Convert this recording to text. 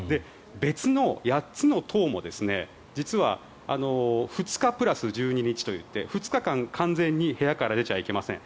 別の８つの棟も実は、２日プラス１２日といって２日間完全に部屋から出ちゃいけません。